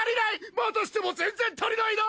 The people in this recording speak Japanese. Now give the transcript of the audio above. またしても全然足りないな！